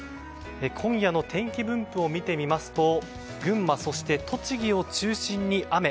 今夜の天気分布を見てみますと群馬、そして栃木を中心に雨。